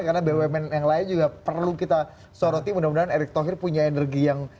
karena bumn yang lain juga perlu kita soroti mudah mudahan erik thohir punya yang lain